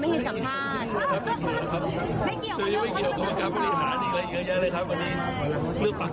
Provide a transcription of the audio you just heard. ไม่เกี่ยวกับกรรมการบริหารอีกแล้วเยอะแยะเลยครับวันนี้เรื่องปลักครองก็เรื่องสำคัญอยู่ครับ